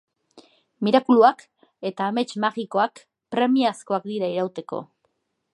Mirakuluak eta amets magikoak premiazkoak dira irauteko.